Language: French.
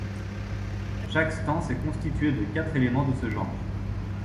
Chaque stance est constitué de quatre éléments de ce genre.